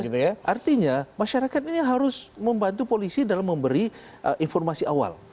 artinya masyarakat ini harus membantu polisi dalam memberi informasi awal